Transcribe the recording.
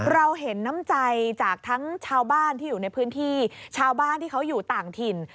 เราเห็นน้ำใจจากทั้งชาวบ้านที่อยู่ในพื้นที่ชาวบ้านที่เขาอยู่ต่างถิ่น